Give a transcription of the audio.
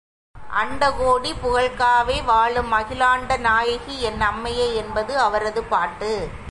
அண்டகோடி புகழ்காவை வாழும் அகிலாண்டநாயகி என் அம்மையே என்பது அவரது பாட்டு.